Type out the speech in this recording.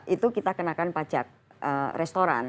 itu kita kenakan pajak restoran